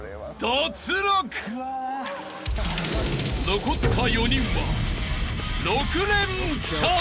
［残った４人は］